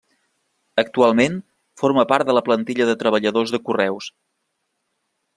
Actualment, forma part de la plantilla de treballadors de correus.